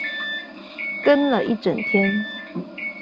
跟了一整天